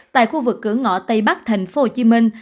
tại khu vực cửa ngõ tây bắc thành phố hồ chí minh